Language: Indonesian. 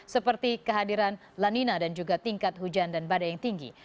seperti kehadiran lanina dan juga tingkat hujan dan badai yang tinggi